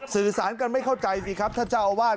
สื่อสารกันไม่เข้าใจสิครับท่านเจ้าอาวาส